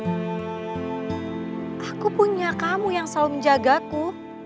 aku punya kamu yang selalu menjagaku